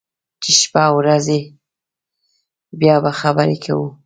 چې شپه او رځې راغلې، بیا به خبرې کوو.